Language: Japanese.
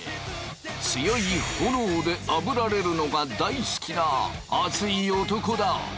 強い炎であぶられるのが大好きな熱い男だ。